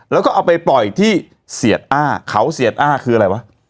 แล้วก็เอาไปปล่อยที่เสียดอ้าเขาเสียดอ้าคืออะไรวะ